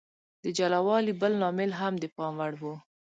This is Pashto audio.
د جلا والي بل لامل هم د پام وړ و.